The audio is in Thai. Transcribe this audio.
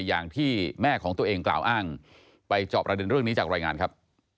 อย่างที่แม่ของตัวเองกล่าวอ้างไปจอบประเด็นเรื่องนี้จากรายงานครับ